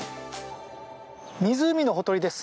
湖のほとりです。